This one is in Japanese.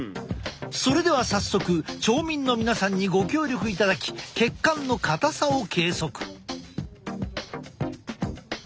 それでは早速町民の皆さんにご協力いただき血管の硬さを計測。